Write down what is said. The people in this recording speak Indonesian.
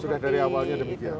sudah dari awalnya demikian